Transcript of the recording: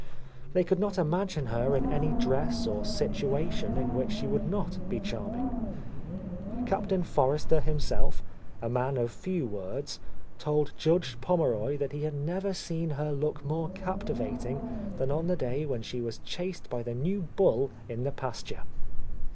They could not imagine her in any dress or situation in which she would not be charming. Captain Forrester him self, a man of few words, told Judge Pommeroy that he had never seen her look mpre captivating than on the day when she was chased by the new bull in the pasture.